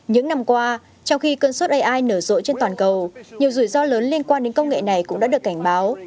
những năm qua trong khi cơn suất ai nở rội trên toàn cầu nhiều rủi ro lớn liên quan đến công nghệ này cũng đã được cảnh báo